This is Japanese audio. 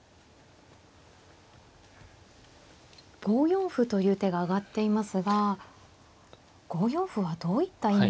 ５四歩という手が挙がっていますが５四歩はどういった意味なんでしょうか。